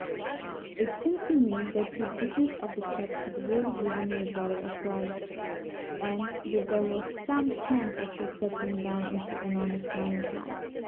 "It seemed to me that this business of the cheque had really given my brother a fright, and that there was some chance of his settling down into an honest line of life.